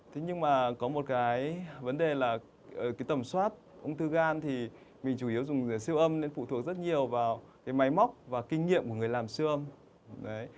thế nhưng mà có một cái vấn đề là cái tầm soát ung thư gan thì mình chủ yếu dùng siêu âm nên phụ thuộc rất nhiều vào cái máy móc và kinh nghiệm của người làm siêu âm